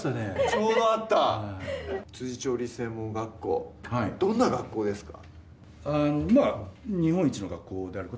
ちょうどあった調理師専門学校どんな学校ですか？